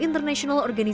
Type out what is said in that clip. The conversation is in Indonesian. bersama dengan bnp dua